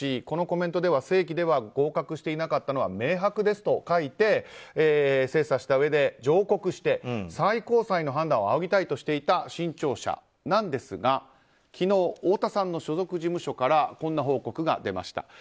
このコメントでは正規では合格していなかったのは明白ですと書いて精査したうえで上告して最高裁の判断を仰ぎたいとしていた新潮社ですが昨日、太田さんの所属事務所からこんな報告が出ました。